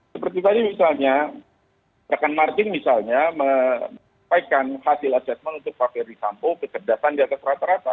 seperti tadi misalnya rekan martin misalnya menyampaikan hasil assessment untuk fakta risampo kecerdasan data serata rata